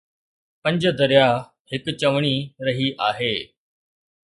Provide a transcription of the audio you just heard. پنج درياهه هڪ چوڻي رهي آهي.